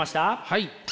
はい。